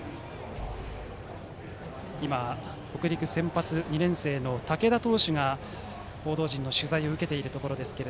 今、北陸の先発２年生の竹田投手が報道陣の取材を受けているところです。